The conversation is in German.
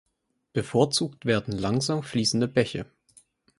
Bevorzugt werden langsam fließende Bäche.